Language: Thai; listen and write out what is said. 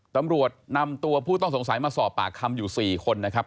ตำรวจนำตัวผู้ต้องสงสัยมาสอบปากคำอยู่๔คนนะครับ